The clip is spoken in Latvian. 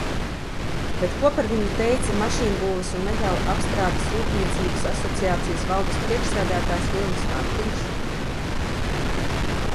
Bet ko par viņu teica Mašīnbūves un metālapstrādes rūpniecības asociācijas valdes priekšsēdētājs Vilnis Rantiņš?